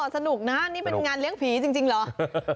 สนุกนะนี่เป็นงานเลี้ยงผีจริงเหรอ